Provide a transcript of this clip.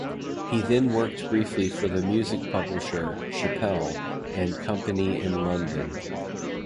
He then worked briefly for the music publisher, Chappell and Company in London.